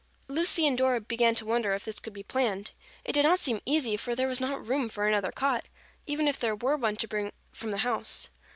Lucy and Dora began to wonder if this could be planned. It did not seem easy, for there was not room for another cot, even if there were one to bring from the house.